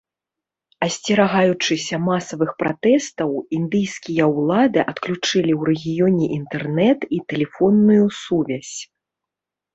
Асцерагаючыся масавых пратэстаў, індыйскія ўлады адключылі ў рэгіёне інтэрнэт і тэлефонную сувязь.